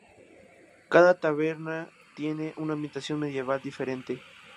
Cada taberna tiene una ambientación medieval diferente.